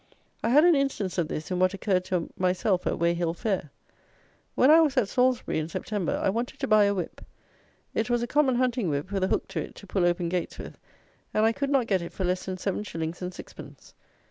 I had an instance of this in what occurred to myself at Weyhill fair. When I was at Salisbury, in September, I wanted to buy a whip. It was a common hunting whip, with a hook to it to pull open gates with, and I could not get it for less than seven shillings and sixpence.